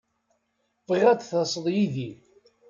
Bɣiɣ ad d-taseḍ yid-i.